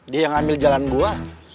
dia yang ambil jalan gua